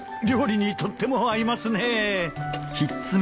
料理にとっても合いますね。